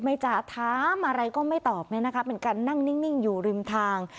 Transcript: จ่าถามอะไรก็ไม่ตอบเนี่ยนะคะเป็นการนั่งนิ่งอยู่ริมทาง